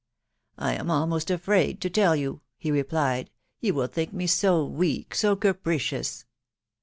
" "I am almost afraid to tell you/' he replied ;" you will think me so weak, so capricious